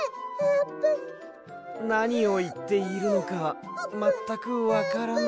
なにをいっているのかまったくわからない。